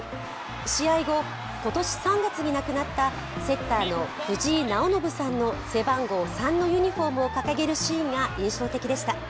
試合後、今年３月に亡くなったセッターの藤井直伸さんの背番号３のユニフォームを掲げるシーンが印象的でした。